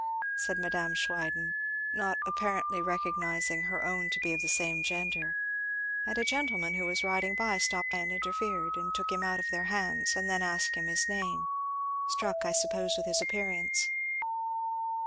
said Mme. Schwiden, not apparently reckoning her own to be of the same gender, "and a gentleman who was riding by stopped and interfered and took him out of their hands, and then asked him his name, struck I suppose with his appearance.